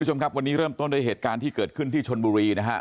คุณผู้ชมครับวันนี้เริ่มต้นด้วยเหตุการณ์ที่เกิดขึ้นที่ชนบุรีนะฮะ